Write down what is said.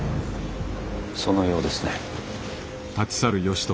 そのようですね。